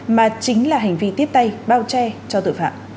mà chính là hành vi tiếp tay bao che cho tội phạm